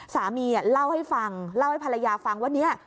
สามีเล่าให้ฟังเล่าให้ภรรยาฟังว่าเนี่ย